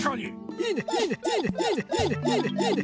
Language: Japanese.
いいね！